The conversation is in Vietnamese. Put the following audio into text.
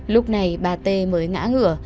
lúc này bà tê mới ngã ngửa